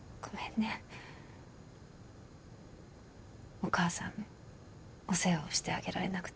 お母さんのお世話をしてあげられなくて。